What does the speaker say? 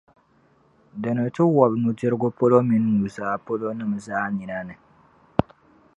di ni ti wɔbi nudirigu polo mini nuzaa polo nim’ zaa nina ni.